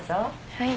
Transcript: はい。